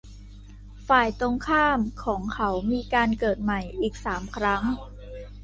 ฝ่ายตรงข้ามของเขามีการเกิดใหม่อีกสามครั้ง